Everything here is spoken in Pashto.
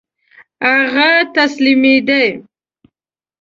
هغه تسلیمېدی.